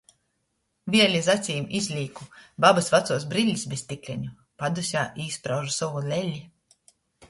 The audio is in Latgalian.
Vēļ iz acim izlīku babys vacuos brillis bez stikleņu. Padusē īspraužu sovu leli.